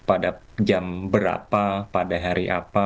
pada jam berapa pada hari apa